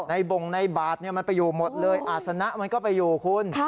บ่งในบาทมันไปอยู่หมดเลยอาศนะมันก็ไปอยู่คุณ